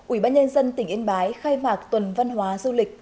ủy ban nhân dân tỉnh yên bái khai mạc tuần văn hóa du lịch